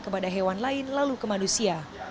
kepada hewan lain lalu ke manusia